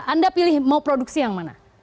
anda pilih mau produksi yang mana